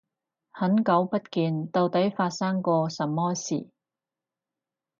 很久不見，到底發生過什麼事